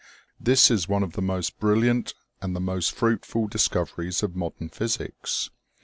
This is one of the most brilliant and the most fruitful discoveries of modern physics.